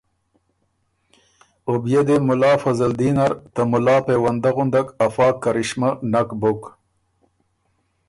او بيې دې مُلا فضلدین نر ته مُلا پېونده غُندک افا کرشمه نک بُک